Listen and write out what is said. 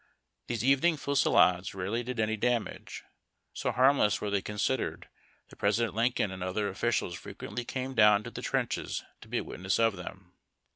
These evening fusillades rarely did any damage. So harmless were they considered that President Lincoln and other officials frequently came down to the trenches to be a witness of them.